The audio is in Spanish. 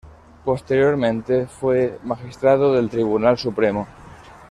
Posteriormente fue magistrado del Tribunal Supremo.